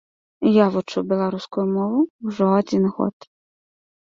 Я вучу беларускую мову ўжо адзін год.